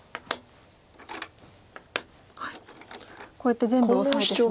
こうやって全部オサえてしまう。